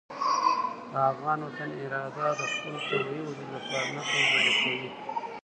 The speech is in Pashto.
د افغان وطن اراده د خپل طبیعي وجود لپاره نه کمزورې کوي.